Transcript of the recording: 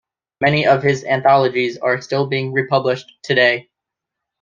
Many of his anthologies are still being republished today.